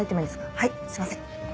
はいすいません。